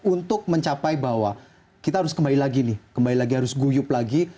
untuk mencapai bahwa kita harus kembali lagi nih kembali lagi harus guyup lagi